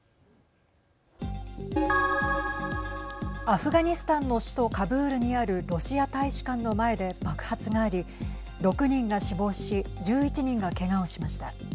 アフガニスタンの首都カブールにあるロシア大使館の前で爆発があり６人が死亡し１１人が、けがをしました。